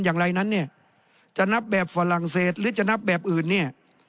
อย่างไรนั้นเนี่ยจะนับแบบฝรั่งเศสหรือจะนับแบบอื่นเนี่ย